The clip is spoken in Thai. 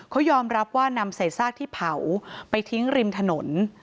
เขายอมรับว่านำใส่ซากที่เผาไปทิ้งริมถนน